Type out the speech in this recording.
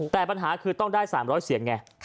แต่ปัญหาคือต้องได้๓๐๐เสียงไง